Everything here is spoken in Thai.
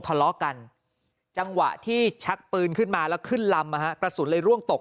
ทะเลาะกันจังหวะที่ชักปืนขึ้นมาแล้วขึ้นลำกระสุนเลยร่วงตก